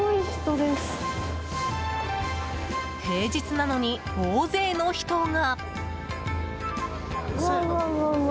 平日なのに大勢の人が！